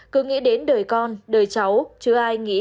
cứ nghĩ đến đời con đời cháu